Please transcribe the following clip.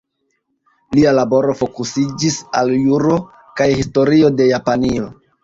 Lia laboro fokusiĝis al juro kaj historio de Japanio.